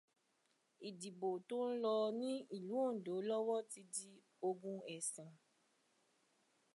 Ìdìbò tó ń lọ ní ìlú Òǹdò lọ́wọ́ ti di ogun ẹ̀sìn.